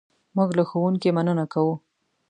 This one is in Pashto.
موږ له ښوونکي مننه کوو.